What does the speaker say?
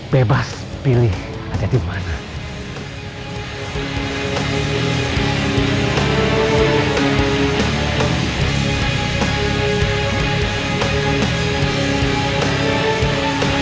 pasar sudah ada di tangan saya